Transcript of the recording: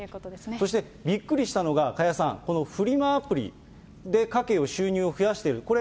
そしてびっくりしたのが、加谷さん、このフリマアプリで家計を、収入を増やしている。